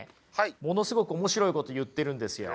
ものすごく面白いこと言ってるんですよ。